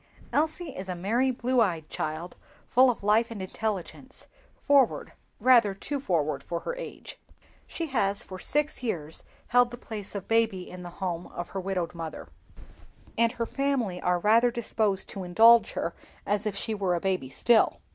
Elsie is a merry blue eyed child, full of life and intelligence, forward—rather too forward for her age. She has for six years held the place of baby in the home of her widowed mother, and her family are rather disposed to indulge her as if she were a baby still.